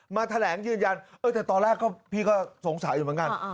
มาแถลงยืนยันแต่ตอนแรกพี่ก็สงสัยอยู่เหมือนกัน